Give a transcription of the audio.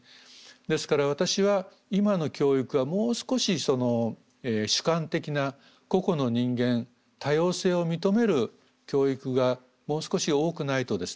ですから私は今の教育はもう少し主観的な個々の人間多様性を認める教育がもう少し多くないとですね